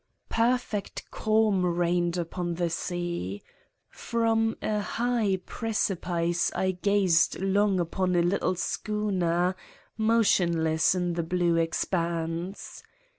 Perfect calm reigned upon the sea. From a high precipice I gazed long upon a little schooner, motionless in the blue expanse.